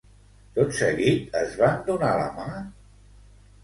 Tot seguit es van donar la mà?